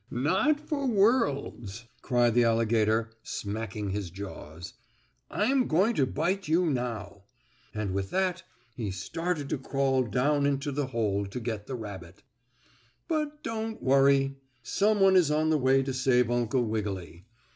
"Not for worlds!" cried the alligator, smacking his jaws. "I'm going to bite you now." And with that he started to crawl down into the hole to get the rabbit. But don't worry. Some one is on the way to save Uncle Wiggily.